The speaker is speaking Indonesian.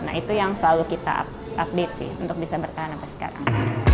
nah itu yang selalu kita update sih untuk bisa bertahan sampai sekarang